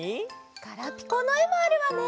ガラピコのえもあるわね。